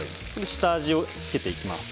下味をつけていきます。